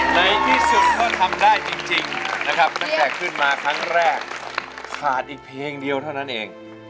ในที่สุดก็ทำได้จริงนะครับตั้งแต่ขึ้นมาครั้งแรกขาดอีกเพลงเดียวเท่านั้นเอง